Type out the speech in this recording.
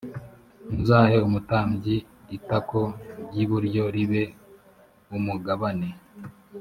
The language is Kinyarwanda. muzahe umutambyi itako ry iburyo ribe umugabane